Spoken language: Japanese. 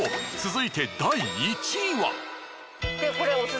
続いて第１位は。